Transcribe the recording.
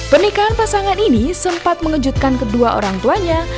pernikahan pasangan ini sempat mengejutkan kedua orang tuanya